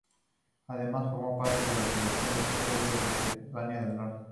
Además, formó parte de la selección de fútbol de Macedonia del Norte.